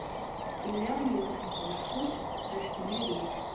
Tella yiwet n tḍeffut ɣef tnarit.